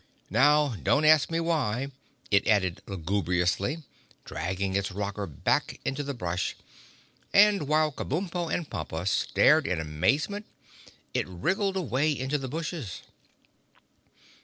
"Now, don't ask me why," it added lugubriously, dragging its rocker back into the brush, and while Kabumpo and Pompa stared in amazement it wriggled away into the bushes.